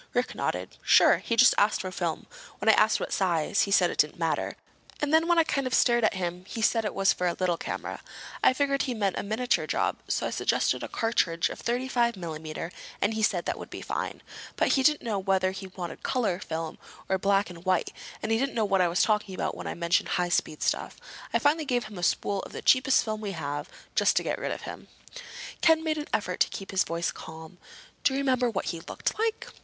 Rick nodded. "Sure. He just asked for film. When I asked what size, he said it didn't matter. And then when I kind of stared at him he said it was for a little camera. I figured he meant a miniature job, so I suggested a cartridge of thirty five millimeter and he said that would be fine. But he didn't know whether he wanted color film or black and white, and he didn't know what I was talking about when I mentioned high speed stuff. I finally gave him a spool of the cheapest film we have, just to get rid of him." Ken made an effort to keep his voice calm. "Do you remember what he looked like?"